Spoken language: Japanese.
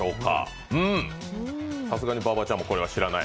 さすがに馬場ちゃんもこれは知らない？